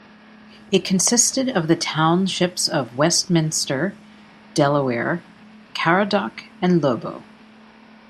It consisted of the townships of Westminster, Delaware, Caradoc and Lobo.